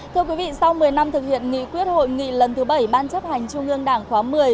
thưa quý vị sau một mươi năm thực hiện nghị quyết hội nghị lần thứ bảy ban chấp hành trung ương đảng khóa một mươi